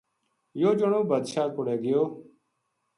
یوہ جنو بادشاہ کوڑے گیو